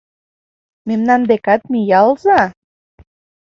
Мемнан декат миялза!